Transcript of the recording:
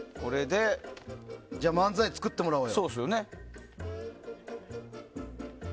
じゃあ漫才作ってもらおうよ。